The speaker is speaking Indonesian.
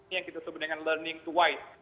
yang kita sebut dengan learning to why